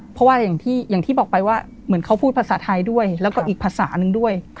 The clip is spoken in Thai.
เพราะว่าอย่างที่บอกไปว่าเหมือนเขาพูดภาษาไทยด้วยแล้วก็อีกภาษาหนึ่งด้วย